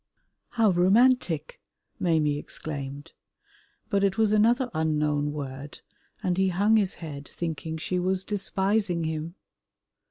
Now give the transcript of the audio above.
"How romantic," Maimie exclaimed, but it was another unknown word, and he hung his head thinking she was despising him.